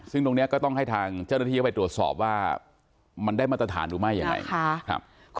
ซึ่งตรงนี้ก็ต้องให้ทางเจ้าหน้าที่เข้าไปตรวจสอบว่ามันได้มาตรฐานหรือไม่ยังไง